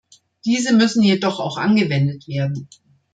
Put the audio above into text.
Diese müssen jedoch auch angewendet werden.